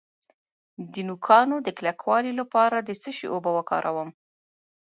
د نوکانو د کلکوالي لپاره د څه شي اوبه وکاروم؟